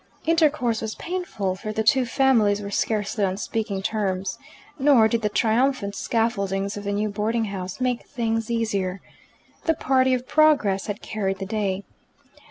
Intercourse was painful, for the two families were scarcely on speaking terms; nor did the triumphant scaffoldings of the new boarding house make things easier. (The party of progress had carried the day.)